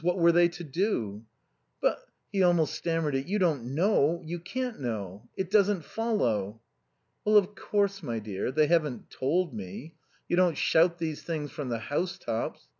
What were they to do?" "But" (he almost stammered it) "you don't know you can't know it doesn't follow." "Well, of course, my dear, they haven't told me. You don't shout these things from the house tops.